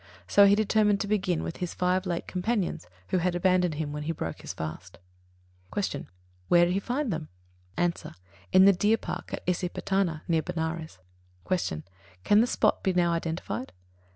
So he determined to begin with his five late companions, who had abandoned him when he broke his fast. 69. Q. Where did he find them? A. In the deer park at Isipatana, near Benares. 70. Q. _Can the spot be now identified?